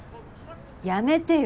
やめてよ！